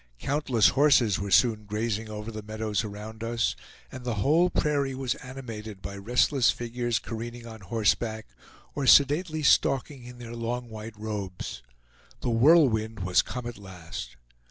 Countless horses were soon grazing over the meadows around us, and the whole prairie was animated by restless figures careening on horseback, or sedately stalking in their long white robes. The Whirlwind was come at last!